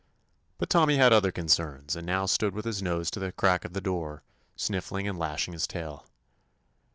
But Tommy had other concerns, and now stood with his nose to the crack of the door, snifBng and lashing his tail.